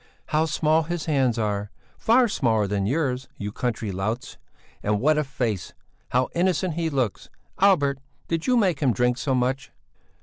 "How small his hands are! Far smaller than yours, you country louts! And what a face! How innocent he looks! Albert, did you make him drink so much?"